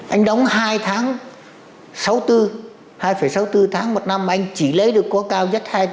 anh đóng hai tháng sáu mươi bốn hai sáu mươi bốn tháng một năm mà anh chỉ lấy được có cao nhất hai